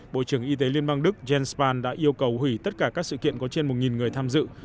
bộ trưởng y tế liên bang đức jens span đã yêu cầu hủy tất cả các sự kiện có trên một người tham dự